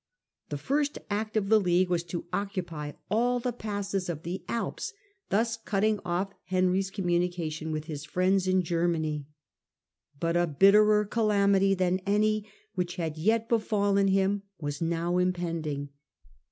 The first act of the league was to occupy all the passes of the Alps, thus cutting off Henry's communication with his friends in Grermany. But a bitterer calamity than any which had yet be fallen him was now impending.